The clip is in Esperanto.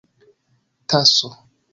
taso